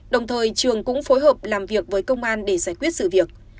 đồng thời trường cũng phối hợp làm việc với công an để giải quyết sự việc